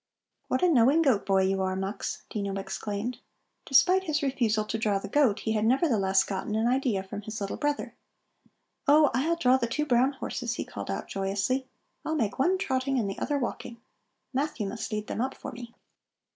"What a knowing goat boy you are, Mux," Dino exclaimed. Despite his refusal to draw the goat, he had nevertheless gotten an idea from his little brother. "Oh, I'll draw the two brown horses," he called out joyously. "I'll make one trotting and the other walking. Matthew must lead them up for me."